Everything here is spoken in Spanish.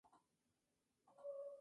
Hefestión es como yo mismo.